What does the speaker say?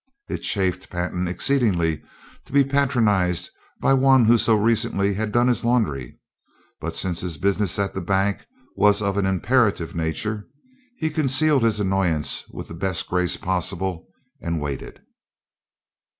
It chafed Pantin exceedingly to be patronized by one who so recently had done his laundry, but since his business at the bank was of an imperative nature he concealed his annoyance with the best grace possible and waited.